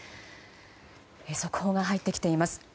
速報が入ってきています。